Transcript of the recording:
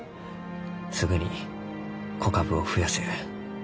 すぐに子株を増やせる。